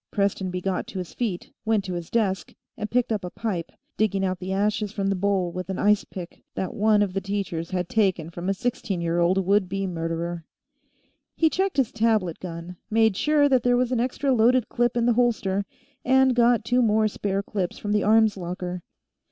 Prestonby got to his feet, went to his desk, and picked up a pipe, digging out the ashes from the bowl with an ice pick that one of the teachers had taken from a sixteen year old would be murderer. He checked his tablet gun, made sure that there was an extra loaded clip in the holster, and got two more spare clips from the arms locker.